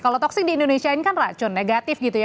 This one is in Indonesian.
kalau toxic di indonesia ini kan racun negatif gitu ya